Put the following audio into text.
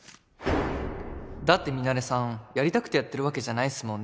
だってミナレさんやりたくてやってるわけじゃないっすもんね。